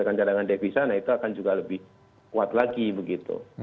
dengan cadangan devisa nah itu akan juga lebih kuat lagi begitu